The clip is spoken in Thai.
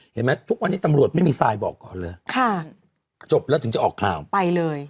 เห็นไหมทุกวันนี้ตำรวจไม่มีทรายบอกก่อนเลยค่ะจบแล้วถึงจะออกข่าวไปเลย